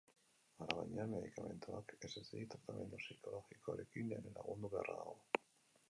Alabaina, medikamentuak ez ezik, tratamendu psikologikoarekin ere lagundu beharra dago.